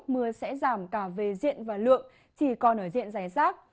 mưa sẽ giảm cả về diện và lượng chỉ còn ở diện dài rác